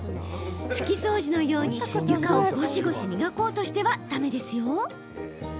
拭き掃除のように床をゴシゴシ磨こうとしてはだめですよ。